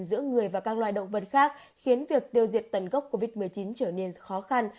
giữa người và các loài động vật khác khiến việc tiêu diệt tần gốc covid một mươi chín trở nên khó khăn